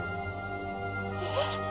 えっ！？